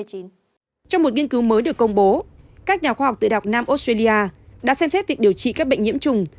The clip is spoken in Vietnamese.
trong một nghiên cứu mới được công bố các nhà khoa học tự động nam australia đã xem xét việc điều trị các bệnh nhiễm trùng